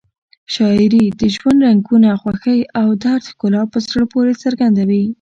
شاعري د ژوند رنګونه، خوښۍ او درد ښکلا په زړه پورې څرګندوي.